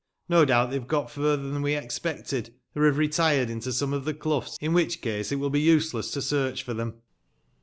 No doubt tbey bave got on furtber tban we expected, or bave retired into some of tbe clougbs, in wbicb case it will be useless to searcb for tbem.